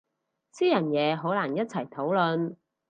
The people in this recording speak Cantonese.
私人嘢好難一齊討論